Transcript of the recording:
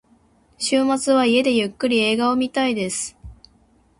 週末は家でゆっくり映画を見たいです。